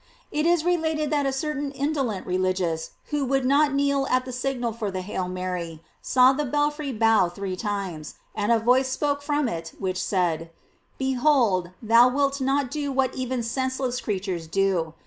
It is related that a certain indolent religious, who would not kneel at the signal for the "Hail Mary," saw the belfry bow three times, and a voice spoke from it which said: Behold, thou wilt not do what even sense less creatures do.